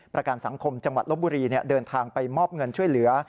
ประกันสังคมจังหวัดลบบุรีเดินทางไปมอบเงินช่วยเหลือ